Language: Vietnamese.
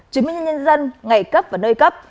chứng minh nhân dân ngày cấp và nơi cấp